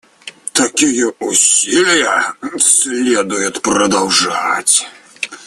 Такие усилия следует продолжать.